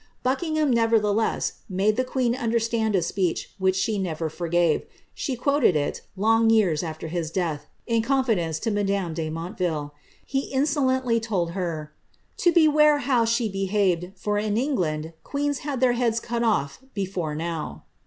Buckingham, nevertheless, made the queen understand a speech which she never forgave : she quoted it, long vears after his death, in confidence to roadame de Motteville. He inso lently told her ^ to beware how she behaved, for in England, queens had had their heads cut ofl* before now.''